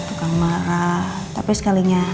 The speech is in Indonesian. tukang marah tapi sekalinya